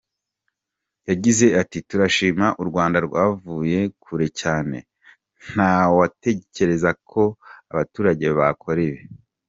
Yagize ati :” Turashima u Rwanda, rwavuye kure cyane…ntawatekereza ko abaturage bakora ibi.